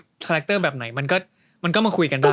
คาแรคเตอร์แบบไหนมันก็มาคุยกันได้